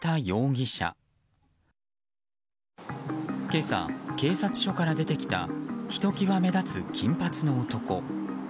今朝、警察署から出てきたひと際目立つ金髪の男。